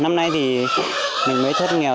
năm nay thì mình mới thất nghèo